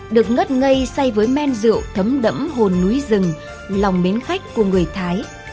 được ngất ngây say với men rượu thấm đẫm hồn núi rừng lòng mến khách của người thái